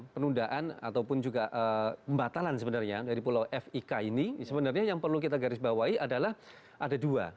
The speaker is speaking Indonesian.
penundaan ataupun juga pembatalan sebenarnya dari pulau fik ini sebenarnya yang perlu kita garis bawahi adalah ada dua